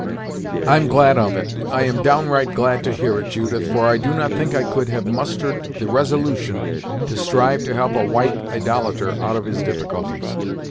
"I'm glad of it I am downright glad to hear it, Judith, for I do not think I could have mustered the resolution to strive to help a white idolater out of his difficulties!